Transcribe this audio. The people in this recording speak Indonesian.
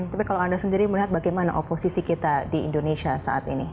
tapi kalau anda sendiri melihat bagaimana oposisi kita di indonesia saat ini